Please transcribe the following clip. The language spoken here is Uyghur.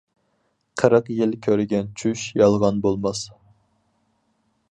قىرىق يىل كۆرگەن چۈش يالغان بولماس.